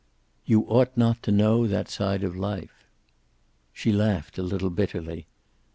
"You ought not to know that side of life." She laughed a little bitterly.